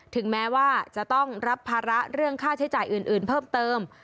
ถึงแม้ว่าจะต้องรับภาระเรื่องค่าใช้จ่ายอื่นเพิ่มเติม